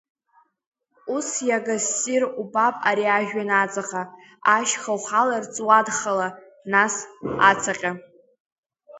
Ус иага ссир убап ари ажәҩан аҵаҟа, ашьха ухаларц уадхала, нас, ацаҟьа!